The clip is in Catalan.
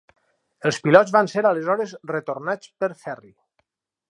Els pilots van ser aleshores retornats per ferri.